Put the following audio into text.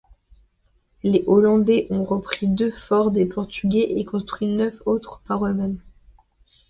Les Hollandais ont repris deux forts des Portugais et construit neuf autres par eux-mêmes.